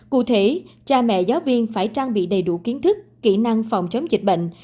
cụ thể cha mẹ giáo viên phải trang bị đầy đủ kiến thức kỹ năng phòng chống dịch bệnh